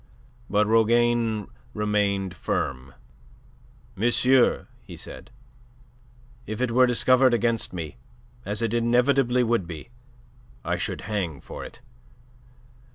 But Rougane remained firm. "Monsieur," he said, "if it were discovered against me, as it inevitably would be, I should hang for it.